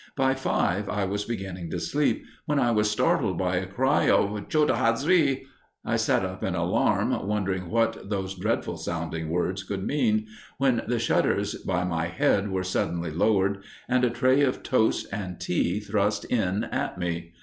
By five, I was beginning to sleep, when I was startled by a cry of "Chota Hazree!" I sat up in alarm, wondering what those dreadful sounding words could mean, when the shutters by my head were suddenly lowered, and a tray of toast and tea thrust in at me.